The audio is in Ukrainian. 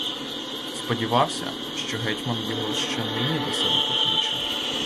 Сподівався, що гетьман його ще нині до себе покличе.